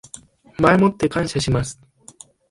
前もって感謝します